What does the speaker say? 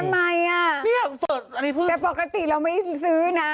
เนี่ยเปิดอันนี้เพิ่มแต่ปกติเราไม่ซื้อนะ